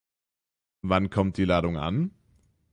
Wann kommt die Ladung an?